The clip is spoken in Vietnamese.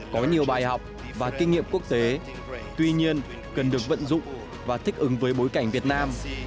có nhiều bài học và kinh nghiệm quốc tế tuy nhiên cần được vận dụng và thích ứng với bối cảnh việt nam